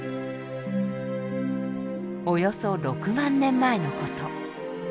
およそ６万年前の事。